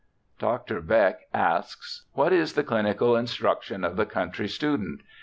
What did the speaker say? Dr. Beck asks :* What is the chnical instruction of the country student ?